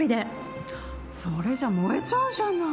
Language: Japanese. それじゃ燃えちゃうじゃない。